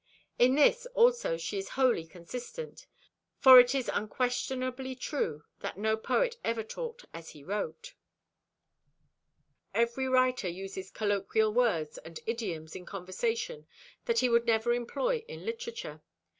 In this also she is wholly consistent: for it is unquestionably true that no poet ever talked as he wrote. Every writer uses colloquial words and idioms in conversation that he would never employ in literature.